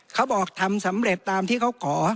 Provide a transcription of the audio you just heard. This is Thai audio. เขาบอกทำสำเร็จตามที่เขาขอ